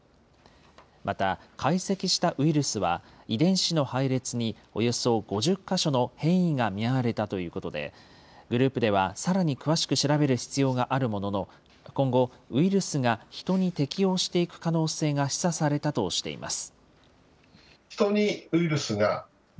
また、解析したウイルスは、遺伝子の配列に、およそ５０か所の変異が見られたということで、グループではさらに詳しく調べる必要があるものの、今後、ウイルスがヒトに適応していく可能性が示唆されたとしています。